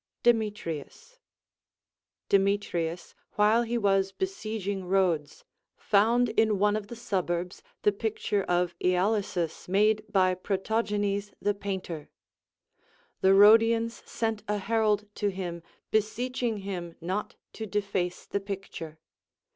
Demetrius. Demetrius, while he Avas besieging Rhodes, found in one of the suburbs the picture of lalysus made by Protogenes the painter. The Rhodians sent a herald to him, beseeching him not to deface the picture.